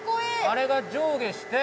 あれが上下して。